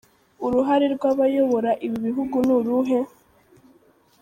Uruhare rw’abayobora ibi bihugu ni uruhe?